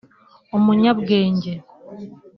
umunyabwenge